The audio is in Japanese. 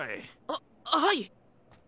あっはい！